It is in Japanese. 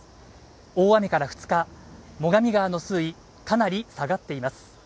大雨から２日最上川の水位かなり下がっています